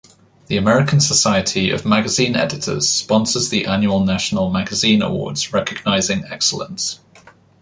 The American Society of Magazine Editors sponsors the annual National Magazine Awards recognizing excellence.